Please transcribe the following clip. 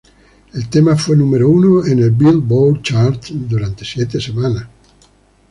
El tema fue número uno en el Billboard charts durante siete semanas.